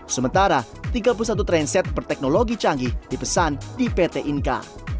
sementara tiga puluh satu tren set berteknologi canggih dipesan di pt inka